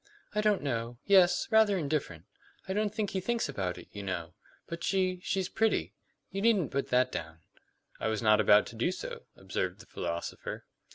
"I don't know. Yes, rather indifferent. I don't think he thinks about it, you know. But she she's pretty. You needn't put that down." "I was not about to do so," observed the philosopher.